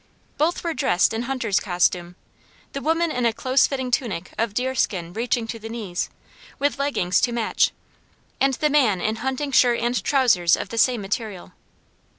Both were dressed in hunters' costume; the woman in a close fitting tunic of deerskin reaching to the knees, with leggins to match, and the man in hunting shirt and trowsers of the same material.